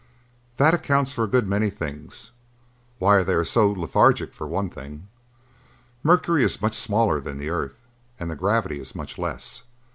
"That accounts for a good many things; why they are so lethargic, for one thing. Mercury is much smaller than the earth and the gravity is much less.